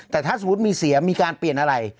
แต่ถ้าสมมุติมีเสียมีการเปลี่ยนอะไร